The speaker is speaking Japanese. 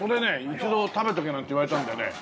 一度食べておけなんて言われたんでね。